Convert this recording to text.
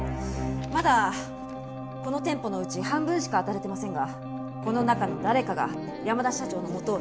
まだこの店舗のうち半分しかあたれてませんがこの中の誰かが山田社長のもとを訪ねてきたと思われます。